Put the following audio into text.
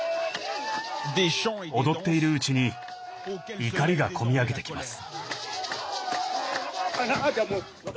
踊っているうちに怒りが込み上げてきます。